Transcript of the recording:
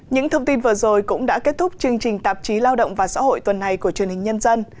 những thông tin vừa rồi cũng đã kết thúc chương trình tạp chí lao động và xã hội tuần này của truyền hình nhân dân